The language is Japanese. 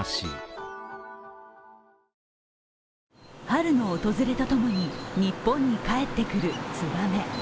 春の訪れとともに日本にかえってくるつばめ。